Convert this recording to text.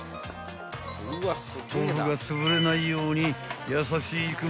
［豆腐がつぶれないように］